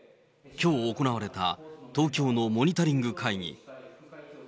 きょう行われた東京のモニタリング会議。